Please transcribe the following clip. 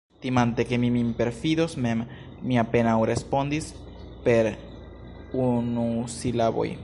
Timante, ke mi min perfidos mem, mi apenaŭ respondis per unusilaboj.